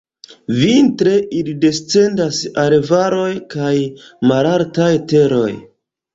Vintre ili descendas al valoj kaj malaltaj teroj.